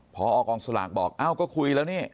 พอกองสลากบอกเอ้าก็คุยแล้วนี่